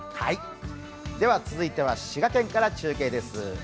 続いては滋賀県から中継です。